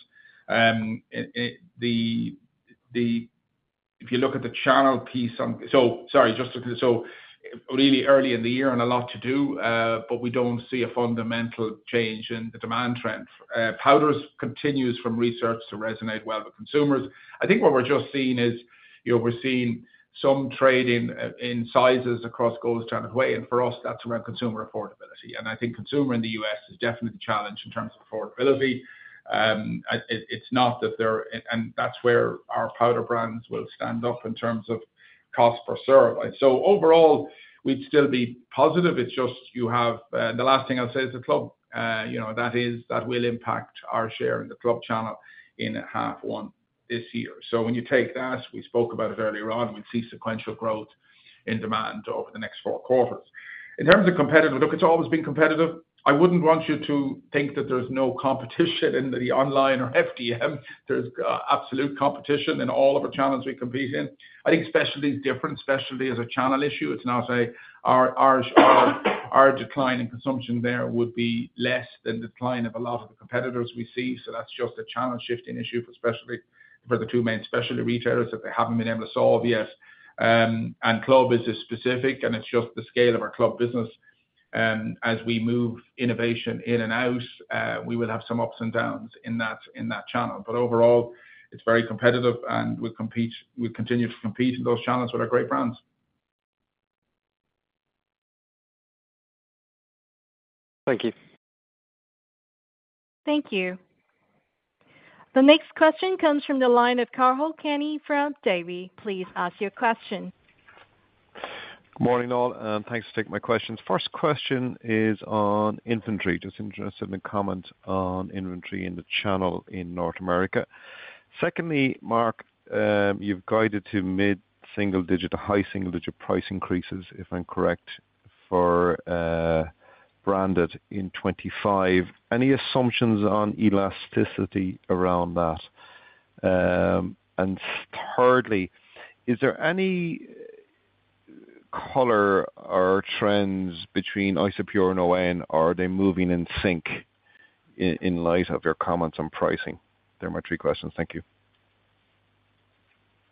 If you look at the channel piece. So really early in the year and a lot to do, but we don't see a fundamental change in the demand trend. Powders continues from research to resonate well with consumers. I think what we're just seeing is we're seeing some trade-down in sizes across channels down the way. And for us, that's around consumer affordability. And I think consumer in the US is definitely the challenge in terms of affordability. It's not that they're, and that's where our powder brands will stand up in terms of cost per serve. So overall, we'd still be positive. It's just you have the last thing I'll say is the club. That will impact our share in the club channel in half one this year. So when you take that, we spoke about it earlier on, we'd see sequential growth in demand over the next four quarters. In terms of competitive, look, it's always been competitive. I wouldn't want you to think that there's no competition in the online or FDM. There's absolute competition in all of our channels we compete in. I think specialty is different. Specialty is a channel issue. It's now say our decline in consumption there would be less than the decline of a lot of the competitors we see. So that's just a channel shifting issue for the two main specialty retailers that they haven't been able to solve yet, and club is specific, and it's just the scale of our club business. As we move innovation in and out, we will have some ups and downs in that channel. But overall, it's very competitive, and we'll continue to compete in those channels with our great brands. Thank you. Thank you. The next question comes from the line of Cathal Kenny from Davy. Please ask your question. Good morning, all, and thanks for taking my questions. First question is on inventory. Just interested in a comment on inventory in the channel in North America. Secondly, Mark, you've guided to mid-single digit or high single digit price increases, if I'm correct, for branded in 2025. Any assumptions on elasticity around that? And thirdly, is there any color or trends between Isopure and ON, or are they moving in sync in light of your comments on pricing? There are my three questions. Thank you.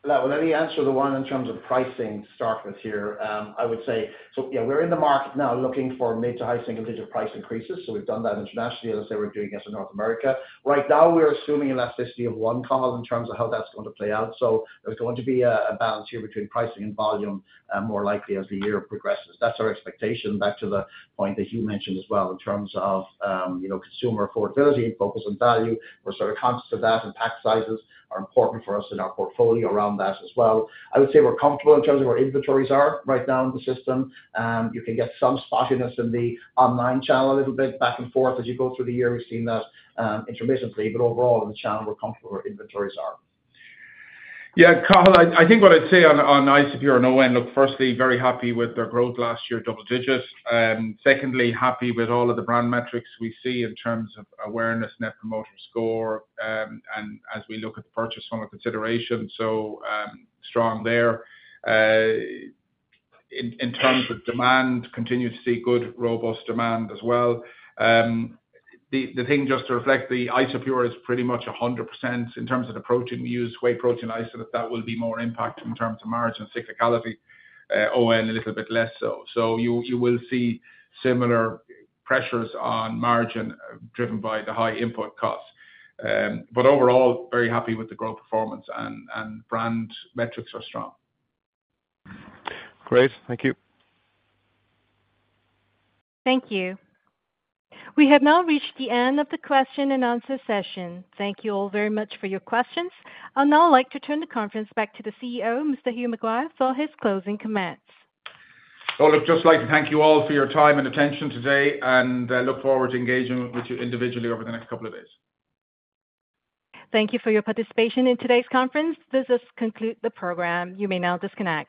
Let me answer the one in terms of pricing to start with here. I would say, so yeah, we're in the market now looking for mid- to high-single-digit price increases. So we've done that internationally, as I say, we're doing it in North America. Right now, we're assuming elasticity of one in terms of how that's going to play out. So there's going to be a balance here between pricing and volume more likely as the year progresses. That's our expectation back to the point that Hugh mentioned as well in terms of consumer affordability and focus on value. We're sort of conscious of that, and pack sizes are important for us in our portfolio around that as well. I would say we're comfortable in terms of where inventories are right now in the system. You can get some spottiness in the online channel a little bit back and forth as you go through the year. We've seen that intermittently, but overall, in the channel, we're comfortable where inventories are. Yeah, Karel, I think what I'd say on Isopure and ON, look, firstly, very happy with their growth last year, double digits. Secondly, happy with all of the brand metrics we see in terms of awareness, Net Promoter Score, and as we look at the purchase from a consideration, so strong there. In terms of demand, continue to see good robust demand as well. The thing just to reflect, the Isopure is pretty much 100% in terms of the protein we use, whey protein isolate, that will be more impact in terms of margin cyclicality. ON, a little bit less so. So you will see similar pressures on margin driven by the high input costs. But overall, very happy with the growth performance, and brand metrics are strong. Great. Thank you. Thank you. We have now reached the end of the question and answer session. Thank you all very much for your questions. I'll now like to turn the conference back to the CEO, Mr. Hugh McGuire, for his closing comments. Well, look, just like to thank you all for your time and attention today, and look forward to engaging with you individually over the next couple of days. Thank you for your participation in today's conference. This has concluded the program. You may now disconnect.